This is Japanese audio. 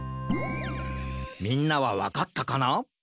みんなはわかったかな？